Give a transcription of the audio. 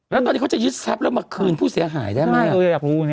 แล้วตอนนี้เขาจะยึดทรัพย์แล้วมาคืนผู้เสียหายได้ไหม